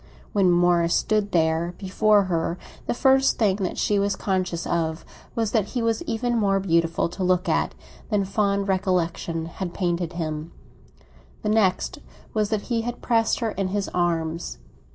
When Morris stood there before her, the first thing that she was conscious of was that he was even more beautiful to look at than fond recollection had painted him; the next was that he had pressed her in his arms.